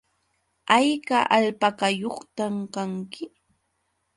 ¿Hayka alpakayuqta kanki?